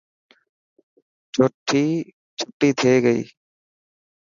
ڇوٽي ٿي گئي.